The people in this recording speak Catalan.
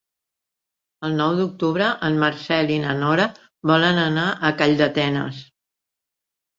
El nou d'octubre en Marcel i na Nora volen anar a Calldetenes.